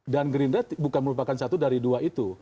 dan green red bukan merupakan satu dari dua itu